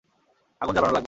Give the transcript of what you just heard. আগুন জ্বালানো লাগবে।